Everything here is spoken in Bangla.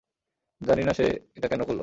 জানি না সে এটা কেন করলো?